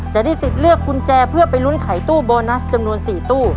จะได้สิทธิ์เลือกกุญแจเพื่อไปลุ้นไขตู้โบนัสจำนวน๔ตู้